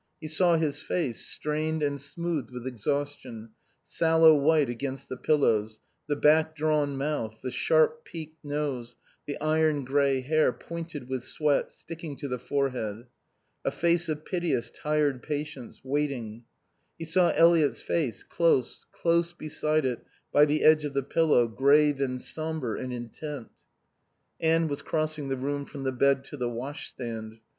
He saw his face, strained and smoothed with exhaustion, sallow white against the pillows, the back drawn mouth, the sharp, peaked nose, the iron grey hair, pointed with sweat, sticking to the forehead. A face of piteous, tired patience, waiting. He saw Eliot's face, close, close beside it by the edge of the pillow, grave and sombre and intent. Anne was crossing the room from the bed to the washstand.